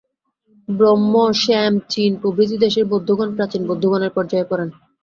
ব্রহ্ম, শ্যাম, চীন প্রভৃতি দেশের বৌদ্ধগণ প্রাচীন বৌদ্ধগণের পর্যায়ে পড়েন।